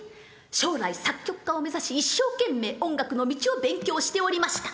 将来作曲家を目指し一生懸命音楽の道を勉強しておりました。